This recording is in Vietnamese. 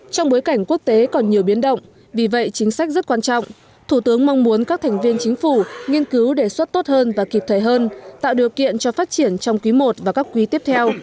trong bối cảnh quốc tế còn nhiều biến động vì vậy chính sách rất quan trọng thủ tướng mong muốn các thành viên chính phủ nghiên cứu đề xuất tốt hơn và kịp thời hơn tạo điều kiện cho phát triển trong quý i và các quý tiếp theo